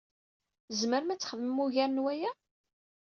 Tzemrem ad txedmem ugar n waya?